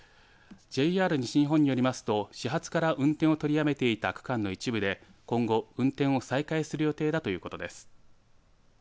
ＪＲ西日本によりますと始発から運転を取りやめていた区間の一部で今後、運転を再開する予定だということです。